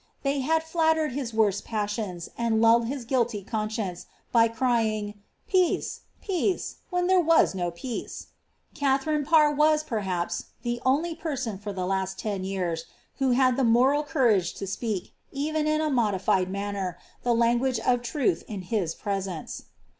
They had flattered his worst passions, and lulled his guilty eoo scicnce, by crying ^ Peace, peace ! when there was no peace.'' Katht rine Parr was, perhaps, the only person, for the last ten years, who hid had the moral courage to speak, even in a modified manner, the iangn^ of truth in liis presence.